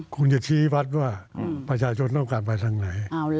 คุณจะชี้วัดว่าประชาชนต้องการไปทางไหน